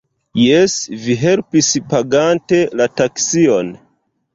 Jes, vi helpis pagante la taksion